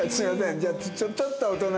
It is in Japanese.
じゃあちょっとお隣に。